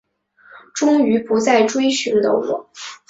终于不再追寻的我